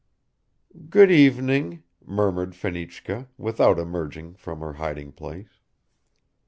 "Good evening," murmured Fenichka, without emerging from her hiding place.